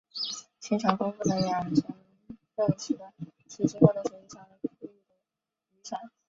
亲潮丰富的养分使得其经过的水域成为富裕的渔场。